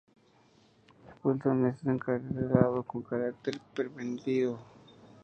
Wilson es encarcelado con carácter preventivo.